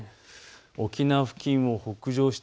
沖縄付近を北上した